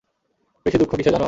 বেশি দুঃখ কিসের জানো?